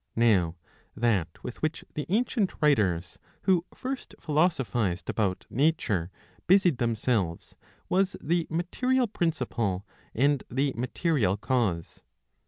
Now that with which the ancient writers, who first philosophised about Nature, busied themselves, was the material principle and the material cause.